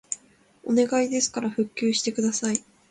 お願いですから復旧してください